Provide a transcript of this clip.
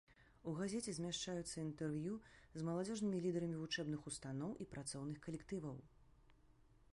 У газеце змяшчаюцца інтэрв'ю з маладзёжнымі лідарамі вучэбных устаноў і працоўных калектываў.